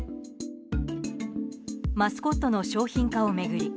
マスコットの商品化を巡り